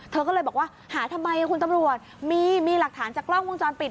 เธอก็เลยบอกว่าหาทำไมคุณตำรวจมีหลักฐานจากกล้องวงจรปิด